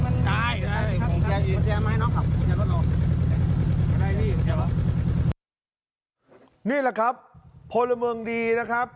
นี่แหละครับพลเมืองดีนะครับ